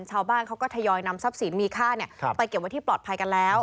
ชาวบ้านเขาก็ทยอยนำทรัพย์สินมีค่าไปเก็บไว้ที่ปลอดภัยกันแล้ว